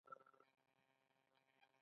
راځئ ژوند ته په درنه سترګه وګورو.